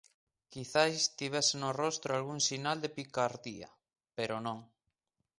Quizais tivese no rostro algún sinal de picardía, pero non.